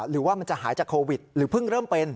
หรือว่ามันจะหายจากโควิดหรือเพิ่งเริ่มเป็น